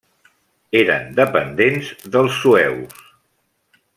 Eren dependents dels sueus.